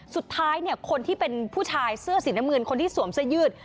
สุดท้ายเนี่ยคนที่เป็นผู้ชายเสื้อสีน้ำเงินคนที่สวมเสื้อยืด